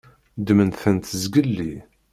Ddmen-tent zgelli.